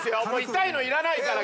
痛いのいらないから。